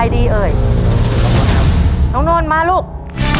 ต้นไม้ประจำจังหวัดระยองการครับ